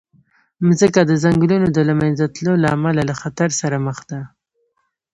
مځکه د ځنګلونو د له منځه تلو له امله له خطر سره مخ ده.